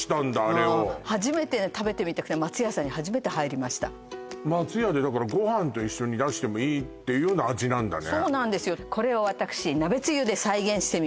あれを初めて食べてみたくて松屋さんに初めて入りました松屋でだからご飯と一緒に出してもいいっていうような味なんだねそうなんですよ